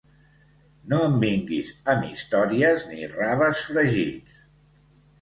No em vinguis amb històries ni raves fregits!